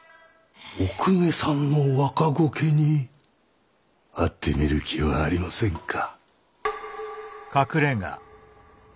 お公家さんの若後家に会ってみる気はありませんか？